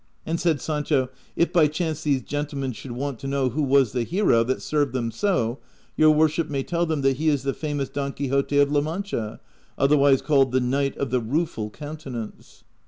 And said Sancho, "If by chance these gentlemen should want to know who was the hero that served them so, your worship may tell them that he is the famous Don Quixote of La Mancha, otherwise called the Knight of the Rueful Countenance."